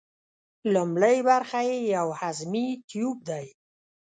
لومړۍ برخه یې یو هضمي تیوپ دی.